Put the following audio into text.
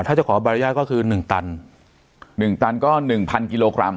ถ้าจะขอใบอนุญาตก็คือหนึ่งตันหนึ่งตันก็หนึ่งพันกิโลกรัม